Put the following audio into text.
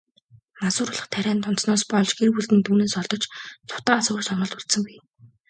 Мансууруулах тарианд донтсоноос болж, гэр бүлд нь түүнээс холдож, зугтаахаас өөр сонголт үлдсэнгүй.